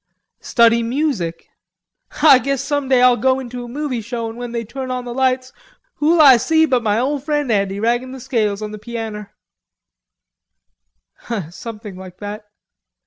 "Study music." "Ah guess some day Ah'll go into a movie show an' when they turn on the lights, who'll Ah see but ma ole frien' Andy raggin' the scales on the pyaner." "Something like that....